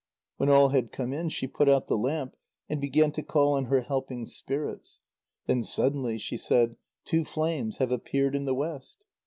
When all had come in, she put out the lamp, and began to call on her helping spirits. Then suddenly she said: "Two flames have appeared in the west!"